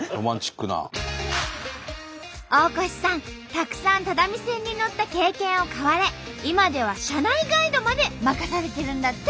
たくさん只見線に乗った経験を買われ今では車内ガイドまで任されてるんだって。